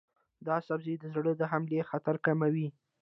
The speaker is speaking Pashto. دا سبزی د زړه د حملې خطر کموي.